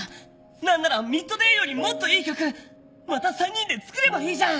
何なら『ＭＩＤＤＡＹ』よりもっといい曲また３人で作ればいいじゃん！